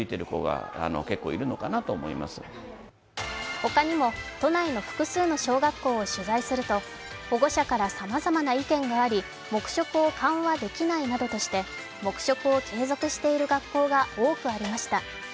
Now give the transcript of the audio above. ほかにも都内の複数の小学校を取材すると保護者からさまざまな意見があり黙食を緩和できないなどとして黙食を継続している学校が多くありました。